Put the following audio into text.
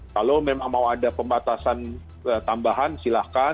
kalau memang mau ada pembatasan tambahan silahkan